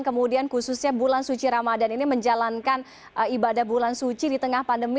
kemudian khususnya bulan suci ramadan ini menjalankan ibadah bulan suci di tengah pandemi